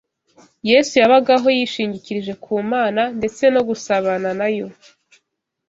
Yesu yabagaho yishingikirije ku Mana ndetse no gusabana na Yo